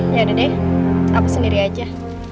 yaudah deh aku sendiri aja